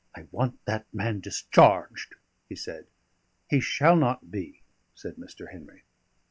"I want that man discharged," he said. "He shall not be," said Mr. Henry.